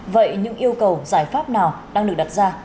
vậy những yêu cầu giải pháp nào đang được đặt ra